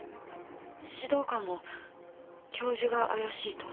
指導官も教授が怪しいと？